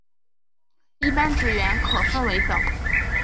一般职员可分为等。